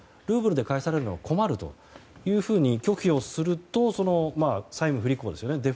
ルーブルで返されるのは困るというふうに拒否をすると債務不履行ですよね。